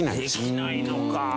できないのか。